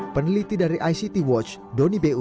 peneliti dari ict watch donny beu